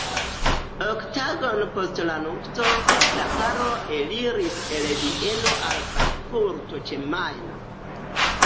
Ok tagojn post la nupto, la paro eliris el Vieno al Frankfurto ĉe Majno.